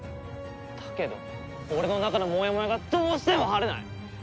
だけど俺の中のモヤモヤがどうしても晴れない！